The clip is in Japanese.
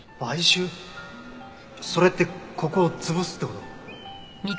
それってここを潰すって事？